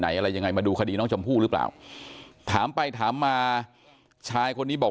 อะไรยังไงมาดูคดีน้องชมพู่หรือเปล่าถามไปถามมาชายคนนี้บอก